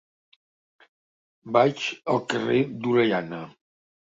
Vaig al carrer d'Orellana.